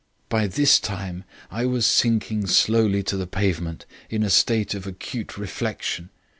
"By this time I was sinking slowly to the pavement, in a state of acute reflection.